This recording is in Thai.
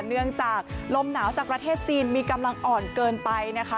เนื่องจากลมหนาวจากประเทศจีนมีกำลังอ่อนเกินไปนะคะ